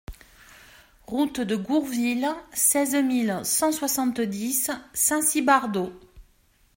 Route de Gourville, seize mille cent soixante-dix Saint-Cybardeaux